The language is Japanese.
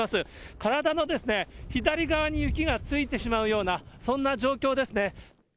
体の左側に雪がついてしまうような、そんな状況ですね。